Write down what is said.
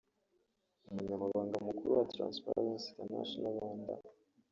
Umunyamabanga Mukuru wa Transparency International Rwanda